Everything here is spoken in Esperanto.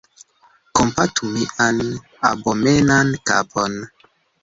Kompatu mian abomenan kapon!